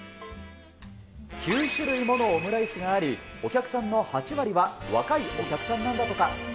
９種類ものオムライスがあり、お客さんの８割は若いお客さんなんだとか。